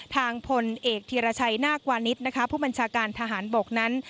พลเอกธีรชัยนาควานิสนะคะผู้บัญชาการทหารบกนั้น